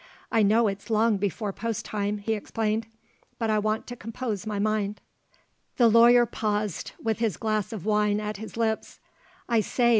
"I know it's long before post time," he explained. "But I want to compose my mind." The lawyer paused, with his glass of wine at his lips. "I say!